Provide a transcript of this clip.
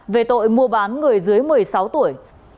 về tội mua bán người dưới một mươi sáu tuổi